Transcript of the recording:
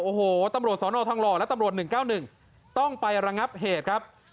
โอ้โหตำรวจสนทองหล่อและตำรวจ๑๙๑ต้องไประงับเหตุครับ